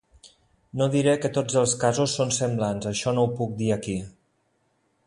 No diré que tots els casos són semblants, això no ho puc dir aquí.